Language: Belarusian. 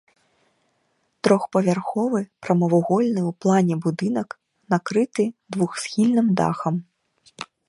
Трохпавярховы прамавугольны ў плане будынак накрыты двухсхільным дахам.